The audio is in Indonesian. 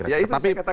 ya itu saya katakan